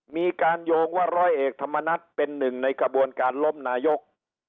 มีการโยงว่าร้อยเอกธรรมนัฏเป็นหนึ่งในกระบวนการล้มนายก